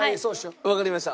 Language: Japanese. わかりました。